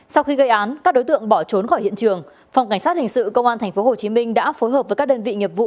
sau khi gây án các đối tượng bỏ trốn khỏi hiện trường phòng cảnh sát hình sự công an tp hcm đã phối hợp với các đơn vị nghiệp vụ